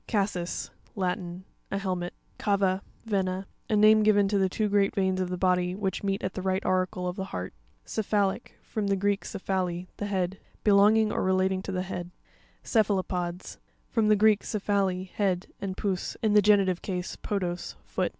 Cas'sis.—Latin. A helmet (page 54). Ca'va (Vena).—A name given to the two great veins of the body, which meet at the right auricle of the heart. Crpua'Lic.—From the Greek, kephale, the head. Belonging or relating to the head. A Ce'puaropops (ke'f a lo pods)—From the Greek, kephale, head, and pous, in the genitive case, podos, foot.